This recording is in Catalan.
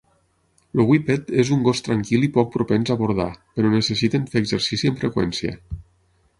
El whippet és un gos tranquil i poc propens a bordar, però necessiten fer exercici amb freqüència.